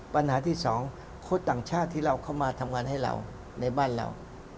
ปัญหาที่สองโค้ชต่างชาติที่เราเข้ามาทำงานให้เราในบ้านเรา